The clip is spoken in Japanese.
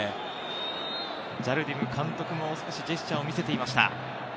ジャルディム監督もジェスチャーを見せていました。